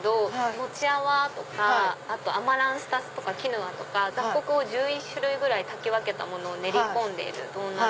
モチアワとかアマランサスとかキヌアとか雑穀を１１種類ぐらい炊き分けたものを練り込んでいる。